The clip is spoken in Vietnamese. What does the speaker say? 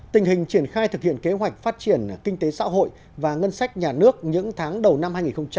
tình hình triển khai thực hiện kế hoạch phát triển kinh tế xã hội và ngân sách nhà nước những tháng đầu năm hai nghìn hai mươi